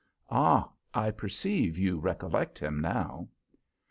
Ah, I perceive you recollect him now.